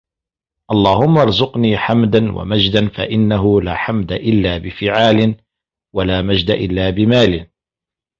اللَّهُمَّ اُرْزُقْنِي حَمْدًا وَمَجْدًا فَإِنَّهُ لَا حَمْدَ إلَّا بِفِعَالٍ وَلَا مَجْدَ إلَّا بِمَالٍ